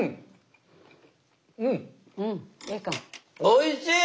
おいしい！